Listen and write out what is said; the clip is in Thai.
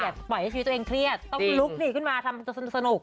ปล่อยให้ชีวิตตัวเองเครียดต้องลุกนี่ขึ้นมาทำสนุก